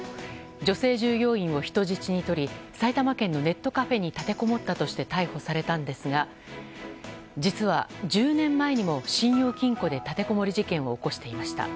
女性従業員を人質に取り埼玉県のネットカフェに立てこもったとして逮捕されたんですが実は１０年前にも信用金庫で立てこもり事件を起こしていました。